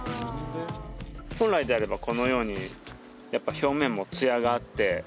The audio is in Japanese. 本来であればこのように表面もツヤがあって。